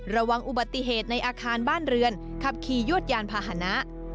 ระวังอุบัติเหตุในอาคารบ้านเรือนขับขี่ยวดยานพาหนะ